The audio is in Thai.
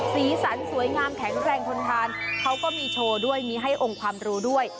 สีสันสวยงามแข็งแรงทนทานเขาก็มีโชว์ด้วยมีให้องค์ความรู้ด้วย